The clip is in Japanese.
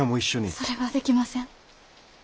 それはできません。